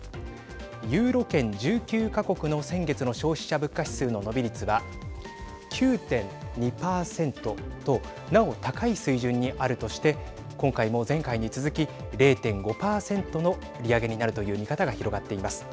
ユーロ圏１９か国の先月の消費者物価指数の伸び率は９．２％となお高い水準にあるとして今回も前回に続き０．５％の利上げになるという見方が広がっています。